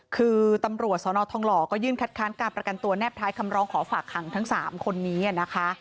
คือตำรวจสนทองหล่อก็ยื่นคัดค้านการประกันตัวแนบท้ายคำร้องขอฝากขังทั้ง๓คนนี้นะคะ